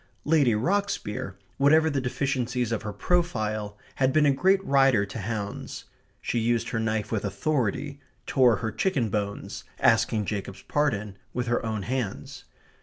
Lady Rocksbier, whatever the deficiencies of her profile, had been a great rider to hounds. She used her knife with authority, tore her chicken bones, asking Jacob's pardon, with her own hands.